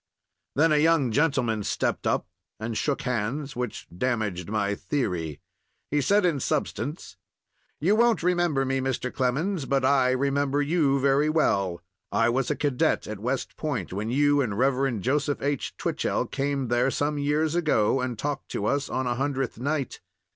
Then a young gentleman stepped up and shook hands, which damaged my theory. He said, in substance: "You won't remember me, Mr. Clemens, but I remember you very well. I was a cadet at West Point when you and Rev. Joseph H. Twichell came there some years ago and talked to us on a Hundredth Night.